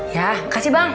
ya kasih bang